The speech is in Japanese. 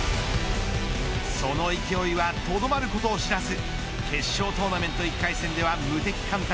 その勢いはとどまることを知らず決勝トーナメント１回戦では無敵艦隊